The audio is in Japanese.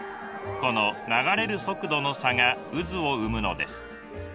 この流れる速度の差が渦を生むのです。